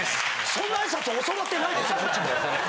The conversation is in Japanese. そんな挨拶教わってないですこっちも。